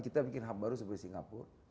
kita bikin ham baru seperti singapura